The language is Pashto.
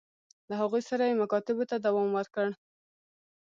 له هغوی سره یې مکاتبو ته دوام ورکړ.